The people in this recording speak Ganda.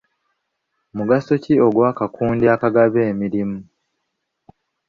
Mugaso ki ogw'akakundi akagaba emirimu?